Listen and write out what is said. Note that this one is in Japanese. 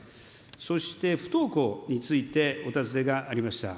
そして不登校について、お尋ねがありました。